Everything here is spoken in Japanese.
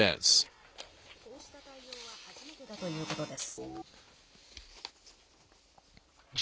こうした対応は初めてだということです。